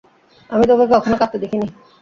আমি তোকে কখনোই কাঁদতে দেখিনি।